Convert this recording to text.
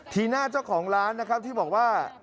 ทีหน้าเจ้าของร้านที่บอกว่า